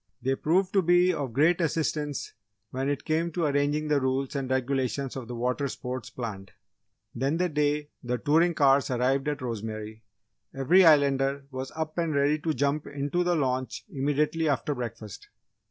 They proved to be of great assistance when it came to arranging the rules and regulations of the water sports planned. Then the day the touring cars arrived at Rosemary, every Islander was up and ready to jump into the launch immediately after breakfast.